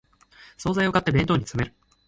総菜を買って弁当に詰める